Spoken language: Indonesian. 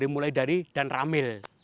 mulai dari danramil